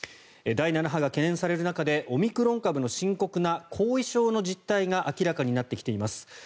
第７波が懸念される中でオミクロン株の深刻な後遺症の実態が明らかになってきています。